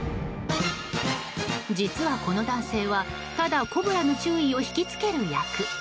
実は、この男性はただコブラの注意を引き付ける役。